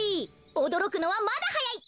おどろくのはまだはやい。